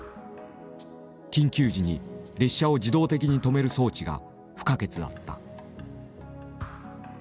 緊急時に列車を自動的に止める装置が不可欠だった。